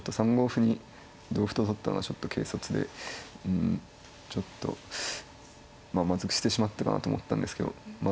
歩に同歩と取ったのはちょっと軽率でちょっとまずくしてしまったかなと思ったんですけどまあ